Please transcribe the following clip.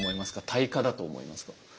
退化だと思いますか？